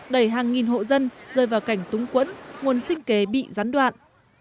đẩy hàng nghìn hộ dân rơi vào cảnh túng quẫn nguồn sinh kế bị gián đoạn